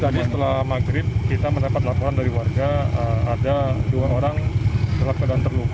nah satu orang korban